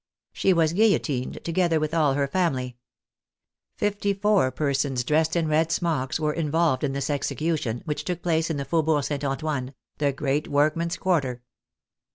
She was guillotined, together with all her family. Fifty four persons, dressed in red smocks, were involved in this execution, which took place in the Fau bourg St. Antoine, the great workmen's quarter.